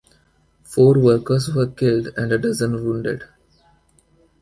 Four workers were killed and a dozen wounded.